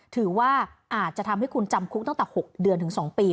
ถือว่าอาจจะทำให้คุณจำคุกตั้งแต่๖เดือนถึง๒ปี